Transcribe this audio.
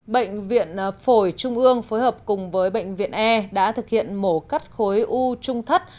bệnh viện phổi trung ương phối hợp cùng với bệnh viện e đã thực hiện mổ cắt khối u trung thất